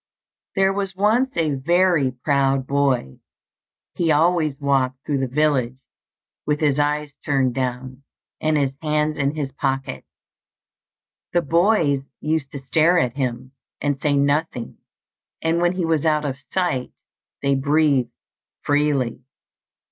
There was once a very proud boy. He always walked through the village with his eyes turned down and his hands in his pockets. The boys used to stare at him, and say nothing; and when he was out of sight, they breathed freely.